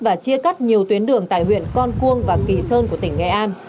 và chia cắt nhiều tuyến đường tại huyện con cuông và kỳ sơn của tỉnh nghệ an